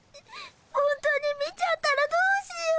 ホントに見ちゃったらどうしよう。